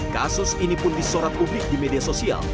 kasus ini pun disorot publik di media sosial